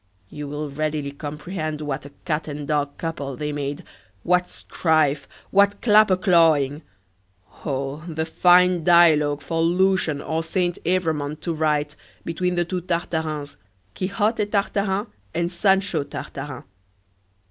you will readily comprehend what a cat and dog couple they made! what strife! what clapper clawing! Oh, the fine dialogue for Lucian or Saint Evremond to write, between the two Tartarins Quixote Tartarin and Sancho Tartarin!